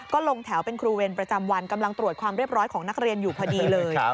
ก็ลงแถวเป็นครูเวรประจำวันกำลังตรวจความเรียบร้อยของนักเรียนอยู่พอดีเลย